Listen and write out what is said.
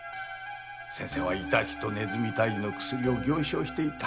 先生はイタチと鼠退治の薬を行商していた。